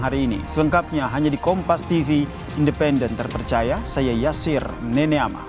hari ini selengkapnya hanya di kompas tv independen terpercaya saya yasir neneama